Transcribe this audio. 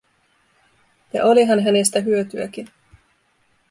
Ja olihan hänestä hyötyäkin.